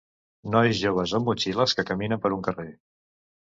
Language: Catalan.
Nois joves amb motxilles que caminen per un carrer